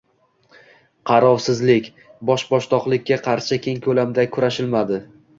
Qarovsizlik, bosh-boshdoqlikka qarshi keng koʻlamda kurashilmadi.